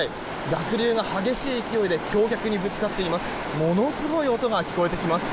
濁流が激しい勢いで橋脚にぶつかっています。